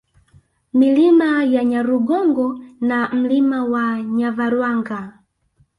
Milima ya Nyarugongo na Mlima wa Nyavarwanga